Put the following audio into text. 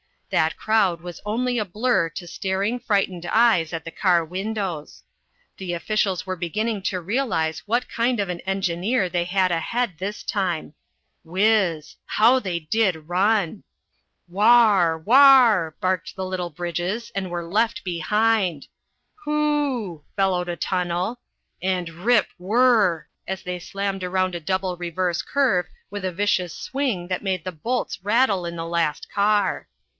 That crowd was only a blur to staring, frightened eyes at the car windows. The officials were beginning to realize what kind of an engineer they had ahead this time. Whizzzzz! How they did run! Wahr! Wahr! barked the little bridges and were left behind! H o o o! bellowed a tunnel. And rip, whrrr! as they slammed around a double reverse curve with a vicious swing that made the bolts rattle in the last car.